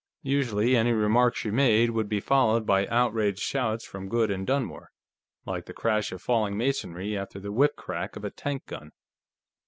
Usually, any remark she made would be followed by outraged shouts from Goode and Dunmore, like the crash of falling masonry after the whip crack of a tank gun.